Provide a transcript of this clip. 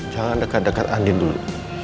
jangan dekat dekat andin dulu